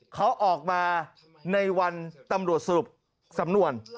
เขาออกมาในวันตำรวจสรุปสำนวน